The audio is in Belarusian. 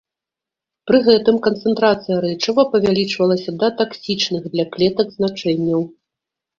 Пры гэтым канцэнтрацыя рэчыва павялічвалася да таксічных для клетак значэнняў.